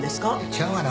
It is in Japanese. ちゃうがな。